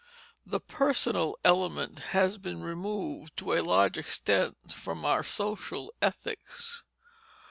The personal element has been removed to a large extent from our social ethics.